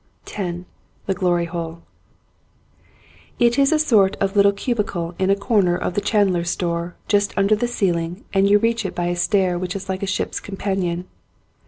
X THE GLORY HOLE IT is a sort of little cubicle in a corner of the chandler's store just under the ceiling and you reach it by a stair which is like a ship's companion.